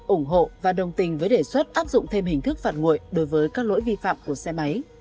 ủng hộ và đồng tình với đề xuất áp dụng thêm hình thức phạt nguội đối với các lỗi vi phạm của xe máy